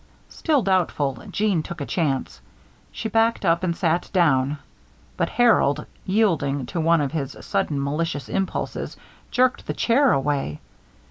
Still doubtful, Jeanne took a chance. She backed up and sat down, but Harold, yielding to one of his sudden malicious impulses, jerked the chair away.